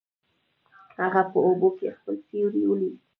هغه په اوبو کې خپل سیوری ولید.